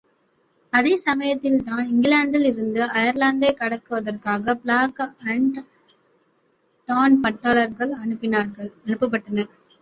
அதே சமயத்தில்தான் இங்கிலாந்திலிருந்து அயர்லாந்தை அடக்குவதற்காகப் பிளாக் அன்டு டான் பட்டாளத்தார் அனுப்பப்பட்டனர்.